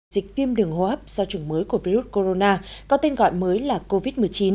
dịch viêm đường hô hấp do chủng mới của virus corona có tên gọi mới là covid một mươi chín